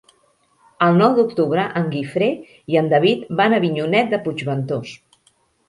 El nou d'octubre en Guifré i en David van a Avinyonet de Puigventós.